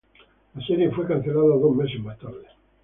La serie fue cancelada dos meses más tarde.